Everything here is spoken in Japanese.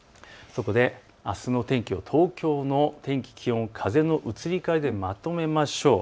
あすの天気を東京の天気、気温、風の移り変わりでまとめましょう。